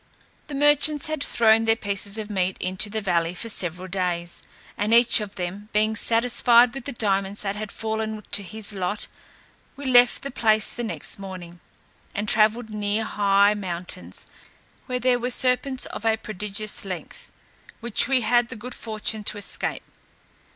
The merchants had thrown their pieces of meat into the valley for several days. And each of them being satisfied with the diamonds that had fallen to his lot, we left the place the next morning, and travelled near high mountains, where there were serpents of a prodigious length, which we had the good fortune to escape.